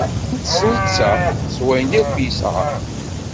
Wwin-t, s netta, s wayen akk yesɛa.